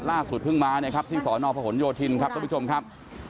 ล่าสุดเพิ่งมานะครับที่สอนอพหนโยธินครับท่านผู้ชมครับ